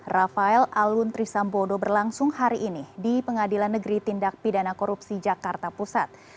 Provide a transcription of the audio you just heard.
rafael alun trisambodo berlangsung hari ini di pengadilan negeri tindak pidana korupsi jakarta pusat